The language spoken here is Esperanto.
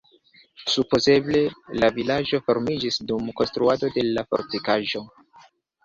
Supozeble la vilaĝo formiĝis dum konstruado de la fortikaĵo.